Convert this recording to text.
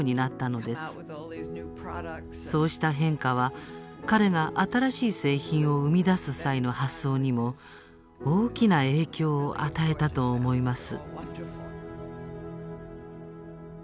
そうした変化は彼が新しい製品を生み出す際の発想にも大きな影響を与えたと思います。